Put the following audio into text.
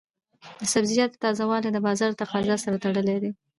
د سبزیجاتو تازه والی د بازار د تقاضا سره تړلی دی.